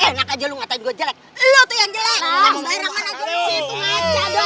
eh enak aja lu ngatain gua jelek